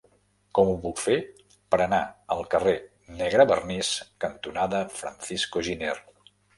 Com ho puc fer per anar al carrer Negrevernís cantonada Francisco Giner?